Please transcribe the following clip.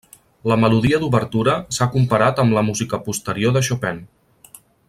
La melodia d'obertura s'ha comparat amb la música posterior de Chopin.